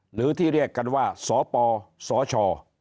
หรือที่เรียกกันว่าสปสช